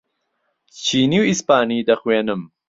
چینی و ئیسپانی دەخوێنم.